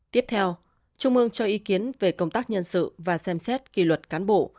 tiếp theo trung ương cho ý kiến về công tác nhân sự và xem xét kỷ luật cán bộ